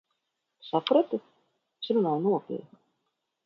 Saprati? Es runāju nopietni.